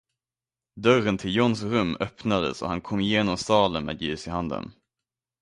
Dörren till Johns rum öppnades och han kom genom salen med ljus i handen.